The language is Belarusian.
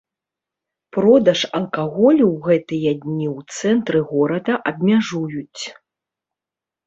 Продаж алкаголю ў гэтыя дні ў цэнтры горада абмяжуюць.